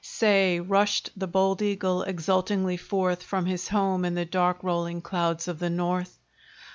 Say, rushed the bold eagle exultingly forth, From his home in the dark rolling clouds of the north?